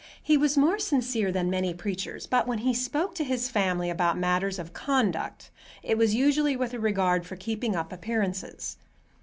He was more sincere than many preachers, but when he spoke to his family about matters of conduct it was usually with a regard for keeping up appearances.